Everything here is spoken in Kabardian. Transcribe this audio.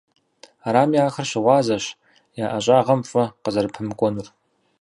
Арами, ахэр щыгъуазэщ я ӏэщӏагъэм фӏы къызэрыпэмыкӏуэнур.